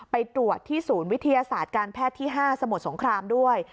ไปตรวจที่ศูนย์วิทยาศาสตร์การแพทย์ที่๕สมุทรสงครามด้วย